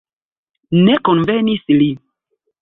Ne konvenis li.